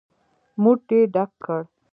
موټ يې ډک کړ.